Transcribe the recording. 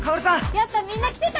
やっぱみんな来てたんだ。